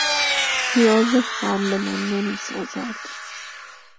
پیاز خام به من نمیسازد.